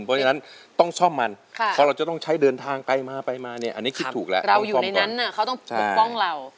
เพราะฉะนั้นต้องซ่อมมันเพราะเราจะต้องใช้เดินทางไปมาไปมาเนี่ยอันนี้คือถูกแล้วเราอยู่ในนั้นเขาต้องปกป้องเรา